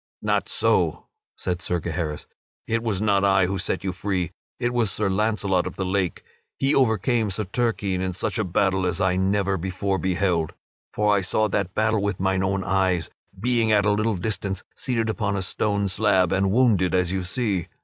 "Not so," said Sir Gaheris, "it was not I who set you free; it was Sir Launcelot of the Lake. He overcame Sir Turquine in such a battle as I never before beheld. For I saw that battle with mine own eyes, being at a little distance seated upon a stone slab and wounded as you see.